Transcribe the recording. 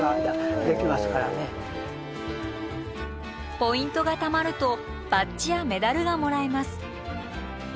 ポイントがたまるとバッチやメダルがもらえます。